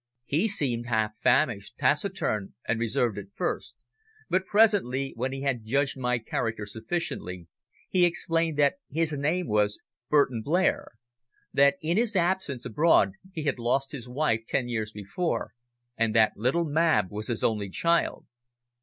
He seemed half famished, taciturn and reserved at first, but presently, when he had judged my character sufficiently, he explained that his name was Burton Blair, that in his absence abroad he had lost his wife ten years before, and that little Mab was his only child.